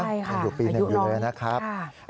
ใช่ค่ะปี๑อยู่เลยนะครับ